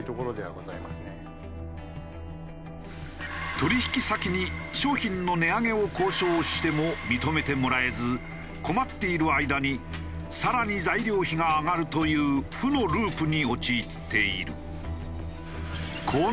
取引先に商品の値上げを交渉しても認めてもらえず困っている間に更に材料費が上がるという負のループに陥っている。